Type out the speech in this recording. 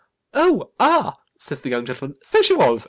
'Oh, ah,' says the young gentleman, 'so she was.